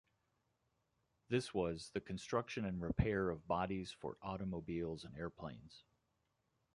This was: "the construction and repair of bodies for automobiles and airplanes".